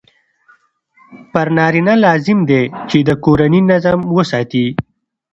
پر نارینه لازم دی چې د کورني نظم وساتي.